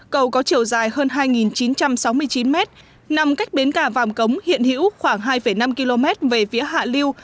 cầu có chiều dài hơn hai chín trăm sáu mươi chín mét nằm cách biến cả vam cống hiện hữu khoảng hai năm km về phía hạ liêu